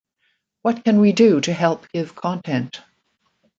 What can we do to help give content?